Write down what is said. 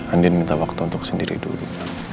andin minta waktu untuk sendiri dulu